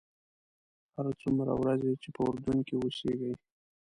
هر څومره ورځې چې په اردن کې اوسېږې.